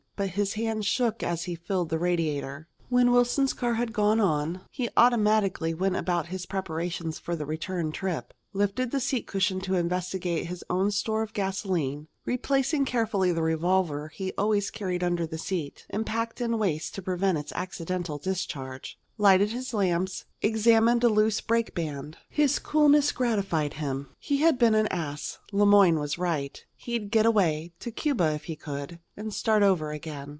But his hands shook as he filled the radiator. When Wilson's car had gone on, he went automatically about his preparations for the return trip lifted a seat cushion to investigate his own store of gasolene, replacing carefully the revolver he always carried under the seat and packed in waste to prevent its accidental discharge, lighted his lamps, examined a loose brake band. His coolness gratified him. He had been an ass: Le Moyne was right. He'd get away to Cuba if he could and start over again.